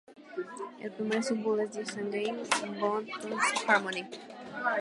El primer single es "This Ain't a Game" con Bone Thugs-N-Harmony.